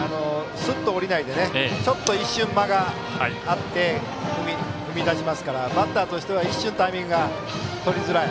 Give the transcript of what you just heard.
スッと下りないでちょっと一瞬、間があって踏み出しますからバッターとしては一瞬タイミングがとりづらい。